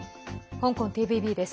香港ＴＶＢです。